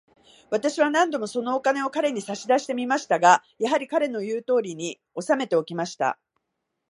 私は何度も、そのお金を彼に差し出してみましたが、やはり、彼の言うとおりに、おさめておきました。